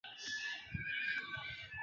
拜尔罗德是德国萨克森州的一个市镇。